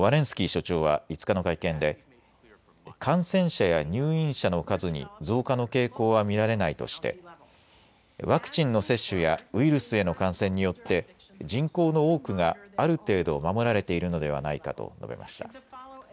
スキー所長は５日の会見で感染者や入院者の数に増加の傾向は見られないとしてワクチンの接種やウイルスへの感染によって人口の多くがある程度守られているのではないかと述べました。